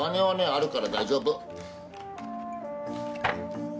あるから大丈夫。